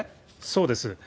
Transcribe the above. そうです。